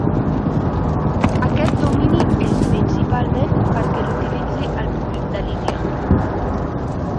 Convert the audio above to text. Aquest domini és principalment perquè l'utilitzi el públic de Líbia.